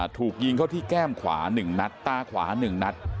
ถูกยิงเข้าที่แก้มขวา๑นัดตาขวา๑นัด